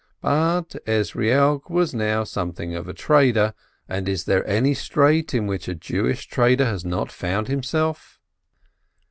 But Ezrielk was now something of a trader, and is there any strait in which a Jewish trader has not found him self?